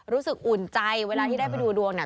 รู้สึกอุ่นใจเวลาที่ได้ไปดูดวง